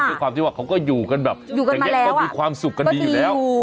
คือความที่ว่าเขาก็อยู่กันแบบอยู่กันมาแล้วอ่ะความสุขกันดีอยู่แล้ว